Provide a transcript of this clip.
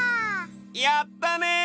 やったね！